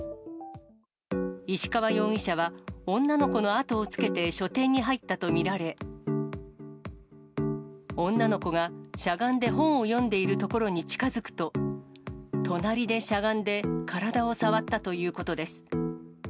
石川容疑者は、女の子の後をつけて書店に入ったと見られ、女の子がしゃがんで本を読んでいるところに近づくと、隣でしゃがんで、体を触ったということです。